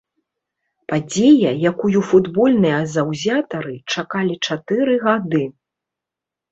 Падзея, якую футбольныя заўзятары чакалі чатыры гады.